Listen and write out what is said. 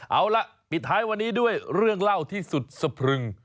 เอาล่ะปิดท้ายวันนี้ด้วยเรื่องเล่าที่สุดสะพรึง